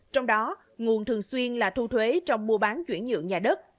trong đó nguồn thường xuyên là thu thuế trong mua bán chuyển nhượng nhà đất